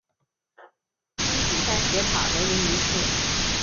因比萨斜塔闻名于世。